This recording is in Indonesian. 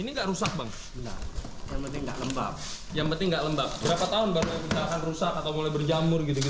ini enggak rusak bang benar yang penting nggak lembab yang penting enggak lembab berapa tahun baru misalkan rusak atau mulai berjamur gitu